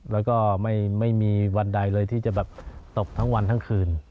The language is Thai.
แล้วก็ไม่มีวันใดเลยที่จะแบบตกทั้งวันทั้งคืน